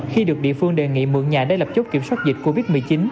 khi được địa phương đề nghị mượn nhà để lập chốt kiểm soát dịch covid một mươi chín